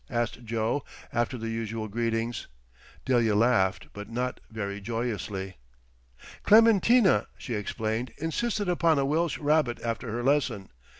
asked Joe after the usual greetings. Delia laughed, but not very joyously. "Clementina," she explained, "insisted upon a Welsh rabbit after her lesson.